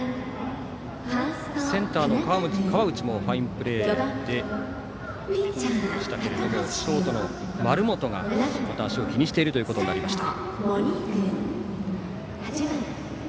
センターの河内もファインプレーでしたけれどもショートの丸本が足を気にしているということがありました。